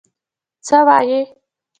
څه وايې؟